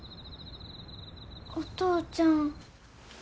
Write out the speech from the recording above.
お父ちゃん。